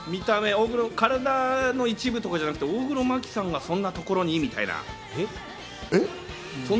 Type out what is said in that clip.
体の一部とかじゃなくて、大黒摩季さんが「そんなとこに？」みたいな。